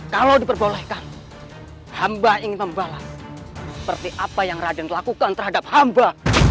kalau diperbolehkan hamba ingin membalas seperti apa yang raden lakukan terhadap hamba